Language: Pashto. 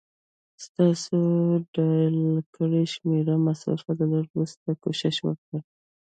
ستاسو ډائل کړې شمېره مصروفه ده، لږ وروسته کوشش وکړئ